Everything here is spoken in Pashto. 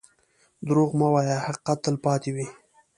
دروغ مه وایه، حقیقت تل پاتې وي.